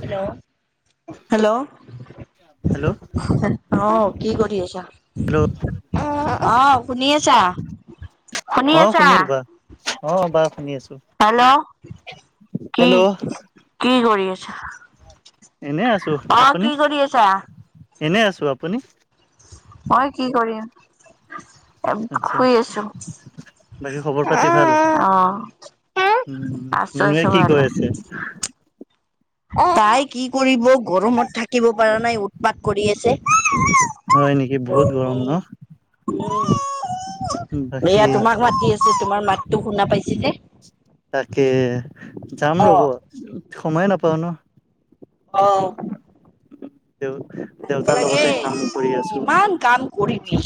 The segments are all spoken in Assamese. হেল্ল'? হেল্ল'? [unintelligible] অ' কি কৰি আছা? হেল্ল' অ' শুনি আছা? অ' শুনি [inaudible] বা। অ' বা শুনি আছোঁ। হেল্ল'? কি- কি কৰি আছা? এনে আছোঁ, অ আপুনি? কি কৰি আছা এনে আছোঁ, আপুনি? মই কি কৰিম। এ আচ্ছা শুই আছোঁ। বাকী খবৰ-পাতি ভাল? আছো মুনুৱে আছো কি ভালে কৰি আছে? [unintelligible] তাই কি কৰিব, গৰমত থাকিব পাৰা নাই। উৎপাত কৰি আছে। হয় নেকি বহুত গৰম ন উম। এয়া বাকী তোমাক মাতি আছে। তোমাৰ মাতটো শুনা পাইছি যে। তাকে। যাম অ ৰ'বা। সময়ে নাপাওঁ ন'। অ'। দেউ [unintelligible] দেউতাৰ লাগে লগতে কাম কৰি আছো কিমান কাম কৰিবি?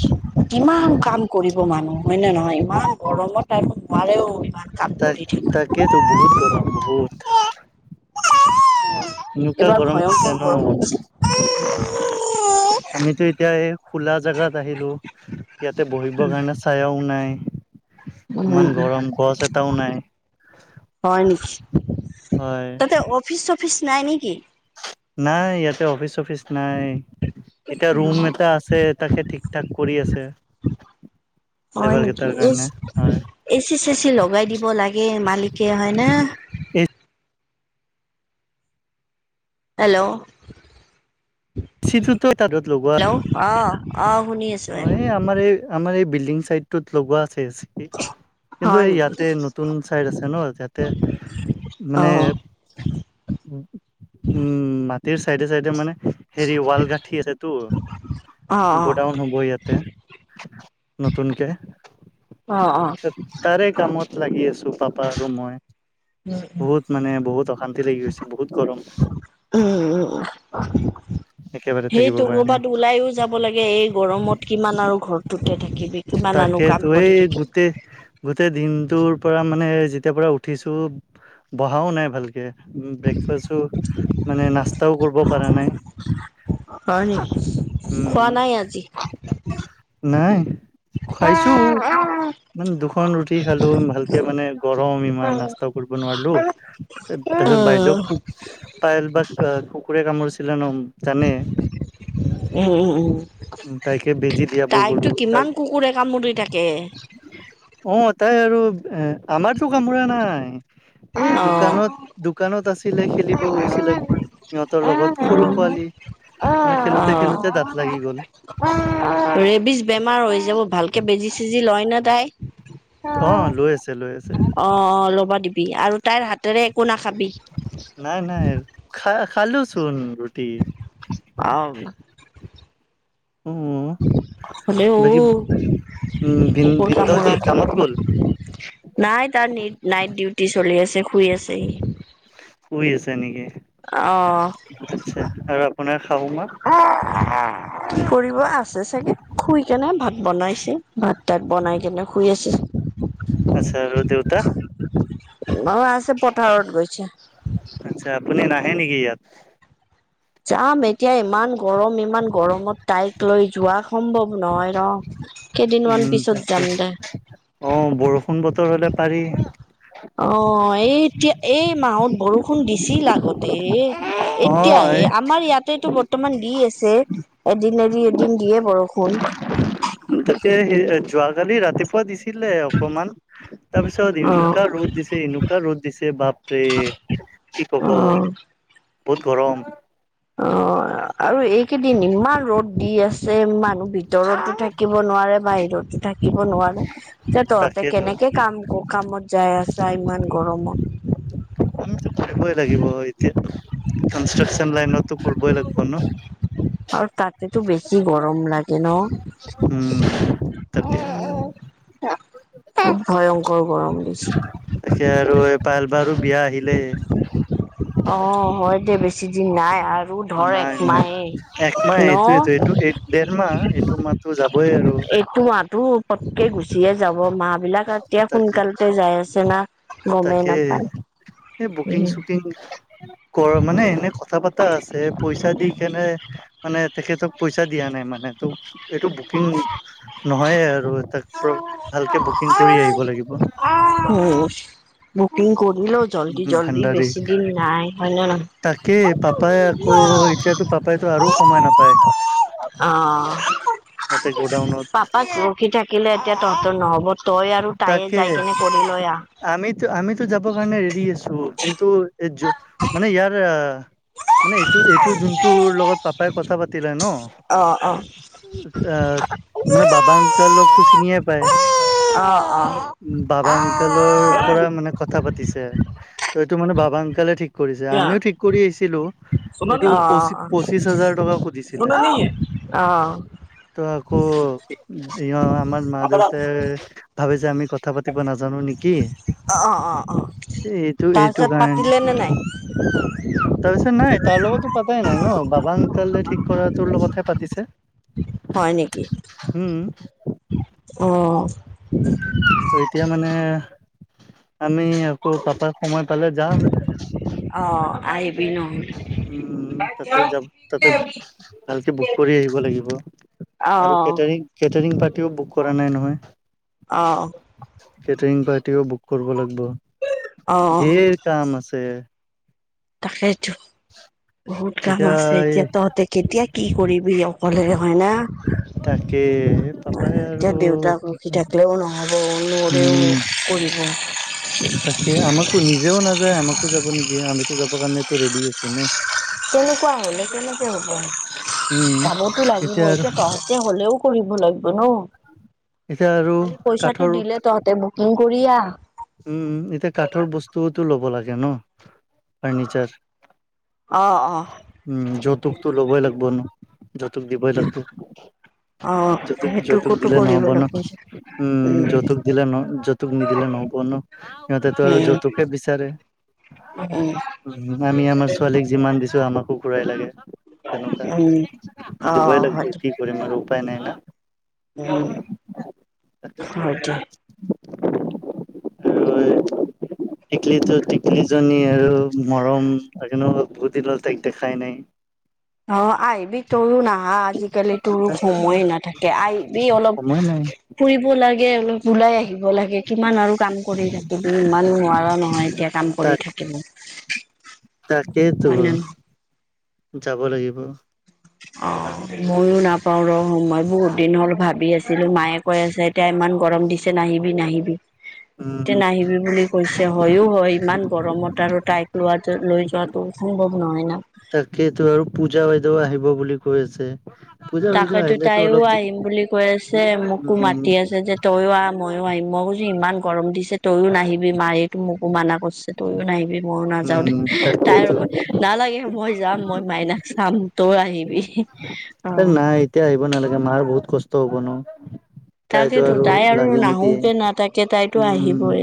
কিমান কাম কৰি মানুহ হয় নে নহয় ইমান গৰমত আৰু নোৱাৰেও ইমান কাম তাক কৰি থাক তাকেতো বহুত গৰম বহুত [unintelligible] [inaudible] [unintelligible] এনেকুৱা এইবাৰ গৰম দিছে ভয়ংকৰ ন গৰম [unintelligible] আমিটো এতিয়া এই খোলা জাগাত আহিলো। ইয়াতে বহিবৰ কাৰণে চায়াও নাই। ইমান উম, গৰম গছ এটাও নাই। হয় নেকি? হয় তাতে অফিচ-চফিচ নাই নে কি? নাই ইয়াতে অফিচ অফিচ নাই এতিয়া ৰুম এটা আছে, তাকে ঠিক-ঠাক কৰি আছে। [inaudible] হয় নেকি? কেইটাৰ এচ কাৰণে হয় এচি-চেচি লগাই দিব লাগে মালিকে, হয় না? এ হেল্ল' [unintelligible] তত লগোৱা হেল্ল' অ অ শুনি আছো অ এই আমাৰ এই আমাৰ এই বিল্ডিং চাইডটোত লগোৱা আছে এচি। কিন্তু হয় এই নেকি ইয়াতে নতুন চাইড আছে ন। ইয়াতে অ মানে উ উম মা ৰ চাইডে চাইডে মানে হেৰি ৱাল গাঠি আছে টো অ গদাও হ'ব ইয়াতে নতুনকে অ অ অ তাৰে কামত লাগি আছো পাপা আৰু মই। বহুত মানে বহুত অশান্তি লাগি গৈছে। বহুত গৰম। একেবাৰে থাকিব হেইটো পৰা নাই কৰ'বাত ওলাইও যাব লাগে। এই গৰমত কিমান আৰু ঘৰটোতে থাকিবি। কিমান আনো কাম তাকেটো, কৰি এই থাকিবি গোটেই গোটেই দিন তোৰ, পৰা মানে, যেতিয়া পৰা উঠিছোঁ, বহাও নাই ভালকে। ব্ৰেকফাষ্টো, মানে, নাস্তাও কৰিব পাৰা নাই। হয় নেকি? উম খোৱা নাই আজি। নাই খুৱাইছো মানে দুখন ৰুটি খালো ভালকে মানে। গৰম ইমান নাস্তা কৰব নোৱাৰলো। তাৰপিছত বাইদেউ উম [unintelligible] [unintelligible] কুকুৰে কামুৰিছিলে ন [unintelligible] জানে। উম উম উম তাইকে বেজি [unintelligible] অ তাইকতো কিমান কুকুৰে কামুৰি থাকে [unintelligible] আৰু আমাৰতো কামোৰা নাই। এই অ দোকানত, দোকানত আছিলে খেলিব গৈছিলে সিহঁত। তৰ লগত সৰু পোৱালি মানে অ খেলোতে-খেলোতে দাঁত লাগি গ'ল। ৰেবিচ বেমাৰ হৈ যাব। ভালকে বেজি-চেজি লয় ন তাই? অ, লৈ আছে লৈ আছে অ ল'বা দিবি আৰু তাইৰ হাতেৰে একো নাখাবি। নাই, নাই খা খালোচোন। অ উম। হ'লেও উম ভিন কুকুৰ ভিনদ কামোৰা। কি কামত গ'ল নাই তাৰ নিট নাইট ডিউটি চলি আছে। শুই আছে সি। শুই আছে নেকি? আচ্ছা আৰু আপোনাৰ শাহু মা আ-অ কি কৰিব আছে চাগে শুই কেনে। ভা বনাইছে। ভাত-তাত বনাই কেনে শুই আছে। অ আচ্ছা আৰু দেউতা আছে, পথাৰত গৈছে। আচ্ছা, আপুনি নাহে নেকি ইয়াত? যাম এতিয়া ইমান গৰম। ইমান গৰমত তাইক লৈ যোৱা সম্ভৱ নহয় ন। উম তাকে, অ বৰষুণ বতৰ হলে পাৰি। অ'! এই, এতিয়া, এই মাহত বৰষুণ দিছিল আগতে। অ এতিয়াহে আমাৰ ইয়াতেটো বৰ্তমান দি আছে। এদিন এৰি, এদিন দিয়ে বৰষুণ। এহে, যোৱাকালি ৰাতিপুৱা দিছে। দিলে অকমান। তাৰপিছত, এনেকোৱা ৰ'দ দিছে, এনেকুৱা ৰ'দ দিছে, বাপৰে! কি ক'ব? [inaudible] বহুত গৰম। অ'! আৰু এইকেইদিন ইমান ৰ'দ দি আছে। মানুহ ভি ভিতৰতো থাকিব নোৱাৰে, বাহিৰতো থাকিব নোৱাৰে। এ, তহঁতে তাকেইতো কেনেকে কাম, কাম ক'ত যাই আছা ইমান গৰমত? আমিতো কৰিবই লাগিব এতিয়া। কনষ্ট্ৰাকছন লাইনতটো কৰিবই লাগিব ন'? আৰু তাতে এইটো বেছি গৰম লাগে উম ন'? তাকে ভয়ংকৰ গৰম দিছে! তাকে আৰু এ, পায়েল বাৰো বিয়া আহিলেই। অ'! হয় দে। বেছি দিন নাই আৰ আৰু ধৰ, এক নাই নাই মাহে একমাহ ন'? এইটোয়েতো এইটো এই ডেৰ মাহ এইটো মাহতো যাবই আৰু [unintelligible] এইতো [unintelligible] পতকে গুচিয়ে যাব। মা বিলাক এতিয়া, তাকে সোনকালতে যাই আছে না? গমেই নাপায়। এ, বুকিং, চুকিং, কৰ মানে, এনে কথা পতা আছে। পইচা দি কেনে মানে, তেখেতক পইচা দিয়া নাই। মানে, তো এইটো বুকিং, নহয়ে আৰু [unintelligible] তাক [unintelligible] ভালকে বুক বুকিং কৰি উম আহিব লাগিব। হুম, বুকিং কৰি লওঁ, জলদি, জলদি ভাণ্ডাৰী বেছি দিন নাই। হয় নে নহয়? তাকে পাপাই আকৌ, এতিয়াতো পাপাই এতিয়াতো আৰু সময় নাপায়। অ'! ইয়াতে অ'! গ'ডাউনত পাপাক ৰখি থাকিলে এতিয়া তহঁতৰ নহ'ব। তই আৰু তাইয়ে তাকে যাই কিনে কৰি লৈ আহ। আমিতো, আমিতো যাবৰ কাৰণে ৰেডি আছোঁ। কিন্তু, এই য' মানে, ইয়াৰ মানে, এইটো, এইটো, যোনটোৰ লগত পাপাই কথা পাতিলে ন'। অ', অ'। আঁ মানে, বাবা আংকলকটো চিনিয়ে পায়। অ', অ'। অ', অ'। বাবা আংকলৰ পৰা মানে কথা পাতিছে। ত'! এইটো মানে, বাবা আংকলে ঠিক কৰিছে? অ', আমিও ঠিক কৰি আহিছিলোঁ। এইটো পঁচি, পঁচিশ হাজাৰ টকা খুজিছিলে। ত' আকৌ, [unintelligible] আমাক মা-দেউতাই ভাবে যে আমি কথা পাতিব নাজানোঁ, নেকি? অ', অ'। এইটো, এইটো তাৰপিছত কাৰেন্ট পাতিলে নে নাই? তাৰপিছত নাই। তাৰ লগতো পাতাই নাই ন'? বাবা আংকলে ঠিক কৰা তোৰ লগতহে পাতিছে। হয় নেকি? উম অ'! ত' এতিয়া মানে, আমি আকৌ, পাপাক সময় পালে যাম। অ', আহিবি ন'? উম, তাতে যা, তাতে ভালকে বুক কৰি আহিব লাগিব। আৰু অ', কেটাৰিং, কেটাৰিং পাৰ্টিও বুক কৰা নাই নহয়। অ'! কেটাৰিং পাৰ্টিও বুক কৰিব লাগিব। অ', ধেৰ কাম আছে! তাকেইেতো বহুত কাম এতিয়া আছে! এতিয়া তহঁতে কেতিয়া কি কৰিবি অ'? কলে হে হয় না, তাকে পাপাই আৰু এতিয়া দেউতাক কি ৰখি কম থাকিলেও নহব নৰেও উম, কৰিব তাকে আমাকো নিজেও নাযায়, আমাকো যাব নিদিয়ে আমা তো যাব কাৰনেটো ৰেডি আছো ন? তেনেকুৱা হলে কেনেকে হব? উম, যাবতো লাগিব, এতিয়া তহঁত তেতিয়া হ'লেও কৰিব লাগিব ন? এতিয়া আৰু খালি পইচাটো কাঠৰ দিলে তহঁতে বুকিং কৰি আহ উম, উম এতিয়া কাঠৰ বস্তুওতো ল'ব লাগে ন। ফাৰ্নিচাৰ অ', অ', উম, যৌতুকটো ল'বই লাগব ন, যৌতুক দিবই লাগব অ', যৌতুক - যৌতুক সেইটোকোতো দিলে কৰিব নহ'ব ন, লাগিব যে উম, যৌতুক দিলে ন যৌতুক নিদিলে নহব সিহঁতেতো আৰু উম, যৌতুকে বিচাৰে উম, আমি আমাৰ ছোৱালীক যিমান দিছো আমাকো ঘুৰাই লাগে তেনেকুৱা, উম, দিবই অ', হয় লাগব দে, কি কৰিম আৰু উপায় নাই ন। উম, হয়দে। [inaudible] টিকলিটো- টিকলিজনী আৰু মৰম বহুত দিনত তাইক দেখাই নাই। অ আহিবি, তইও নাহা আজিকালি তোৰ তাক সময়ে নাথাকে আহিবি অলপ সময় নাই ফুৰিব লাগে অলপ ওলাই আহি লাগে কিমান আৰু কাম কৰি থাকিবি ইমান নোৱাৰা নহয় এতিয়া কাম কৰি থাকিব তাকেতো, হয় নে নহয়? যাব লাগিব। অ, ময়ো নাপাও ৰ, মই বহুত দিন হ'ল ভাবি আছিলো মায়ে কৈ আছে এতিয়া ইমান গৰম দিছে নাহিবি, নাহিবি উম এতিয়া নাহিবি বুলি কৈছে, হৈও হয় ইমান গৰমত আৰু তাইক লোৱা লৈ য যোৱাতো সম্ভৱ নহয় না। তাকেইতো আৰু পূজা বাইদেউ আহিব বুলি কৈ আছে। পূজা বাইদেউ তাকতো আহিলেতো তাইও অলপ আহিম বুলি কৈ আছে মোকো উম মাতি আছে যে তয়ো আহ। মইয়ো আহিম, মই কৈছো ইমান গৰম দিছে তইয়ো নাহিবি মায়ে তো মোকো মানা কৰিছে তইও নাহিবি। ময়ো নাযাও দে উম তাইৰ তাকেইতো ক নালাগে মই যাম মই মাইনাক চাম। তয়ো আহিবি। অ এ নাই এতিয়া আহিব নালাগে, মাৰ বহুত কষ্ট হ'ব ন। তাই তো তাকেতো আৰু তাই লাগি নিদিয়ে, নাহোকে নাথাকে তাইতো উমম আহিবই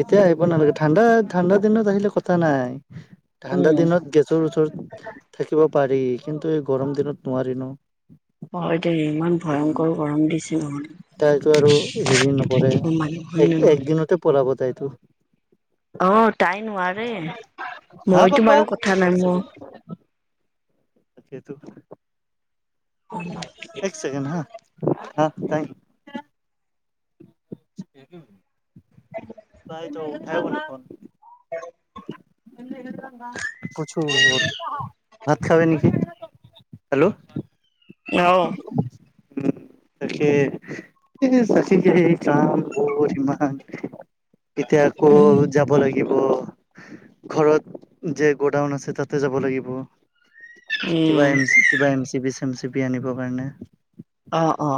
এতিয়া আহিব নালাগে, ঠাণ্ডা -ঠাণ্ডা দিনত আহিলে কথা নাই। ঠাণ্ডা দিনত গেছৰ ওচৰত থাকিব পাৰি কিন্তু এই গৰম দিনত নোৱাৰি ন। অ এতিয়া ইমান ভয়ংকৰ গৰম দিছে নহয় তাইতো আৰু হেৰি কেনেকে নকৰে থাকিব মানুহ হয় নে এক নহয় একদিনতে পলাব তাইতো অ তাই নোৱাৰে, হা মইতো পাপা বাৰু কথা নাই ম তাকেটো। এক চেকেণ্ড হা। [inaudible] তাইতো উদ্ধাৰ হৈ গল [unintelligible] [inaudible] খালি নেকি? হেল্ল' অহ। উম। তাকে, এ তাকে [unintelligible] কাম বহুত ইমান। এতিয়া আকৌ, যাব লাগিব। ঘৰত যে গ'ডাউন আছে, তাতে যাব লাগিব কিবা উম M C, M C B, চেম চি বি আনিবৰ কাৰণে। অ অ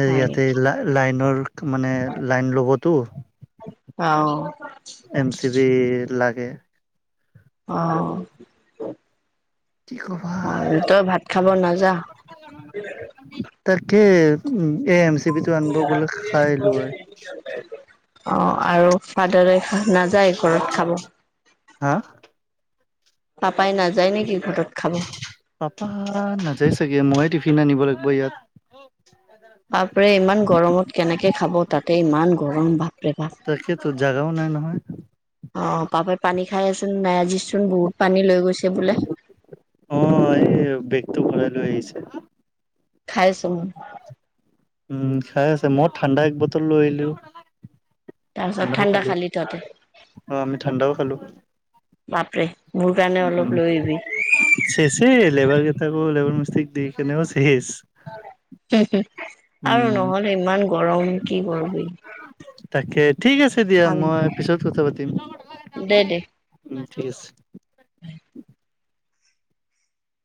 এই হয় ইয়াতে নেকি লা লাইনৰ মানে লাইন ল'বতো অ', এম চি বি লাগে অ। কি ক'বা, অ', তই ভাত খাব নাযা তাকে। উম। এ এম চি বি টো আনিব গলে খাই আহিলো হয়। অ আৰু ফাদাৰে নাযায় ঘৰত খাব? হা? পাপাই নাযায় নেকি ঘৰত খাব পাপা নাযাই চাগে। মইয়ে টিফিন আনিব লাগিব ইয়াত। বাপৰে ইমান গৰমত কেনেকে খাব তাতে ইমান গৰম বা। তাকেতো জাগাও নাই নহয়। অ পাপাই পানী খাই আছোন নাই আজিচোন বহুত পানী লৈ গৈছে বোলে? অ এই বেগটো ভৰাই [unintelligible] খাইছোং। উম খাই আছে, মই ঠাণ্ডা এক বটল লৈ আহিলো। তাৰ পিছত ঠাণ্ডাও ঠাণ্ডা খালি। তহঁতে অ আমি ঠাণ্ডাও খালো। বাপৰে মোৰ কাৰণে অলপ লৈ আহিবি চে চে লেবাৰ গেতাকো লেবাৰ মিস্ত্ৰ- চিখ দিখ কেনেও চেছ আৰু উম নহলে ইমান গৰম কি কৰবি? তাকে ঠিক আছে দিয়া মই পিছত কথা পাতিম। দে দে ঠিক আছে।